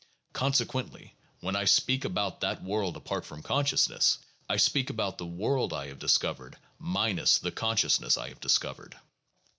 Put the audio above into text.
Consequently when I speak about that world apart from consciousness, I speak about the world I have dis covered minus the consciousness I have discovered.